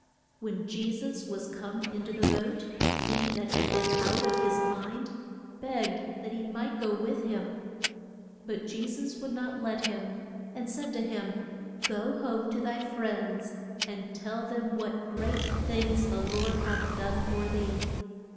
When Je sus was come in to the boat, he that had been out of his mind begged that he might go with him. But Je sus would not let him, and said to him, Go home to thy friends, and tell them what great things the Lord hath done for thee.